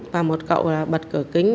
và một cậu là bật cửa kính